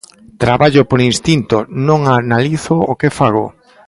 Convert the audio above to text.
Traballo por instinto, non analizo o que fago.